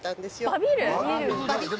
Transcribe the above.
バビる？